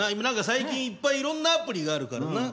何か最近いっぱいいろんなアプリがあるからな。